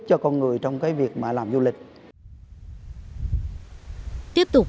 số voi ngày càng hít đi